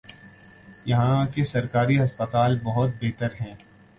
یہاں کے سرکاری ہسپتال بہت بہتر ہیں۔